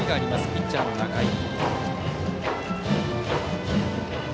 ピッチャーの仲井。